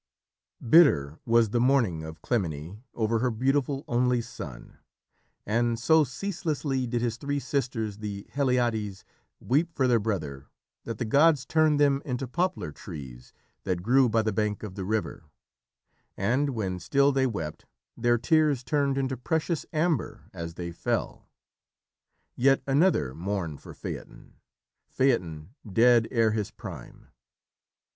Bitter was the mourning of Clymene over her beautiful only son, and so ceaselessly did his three sisters, the Heliades, weep for their brother, that the gods turned them into poplar trees that grew by the bank of the river, and, when still they wept, their tears turned into precious amber as they fell. Yet another mourned for Phaeton Phaeton "dead ere his prime."